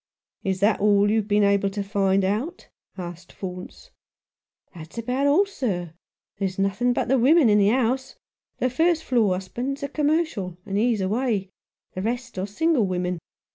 " Is that all you have been able to find out ?" asked Faunce. "That's about all, sir. There's nothing but women in the house. The first floor's husband is a commercial, and he's away ; the rest are single women.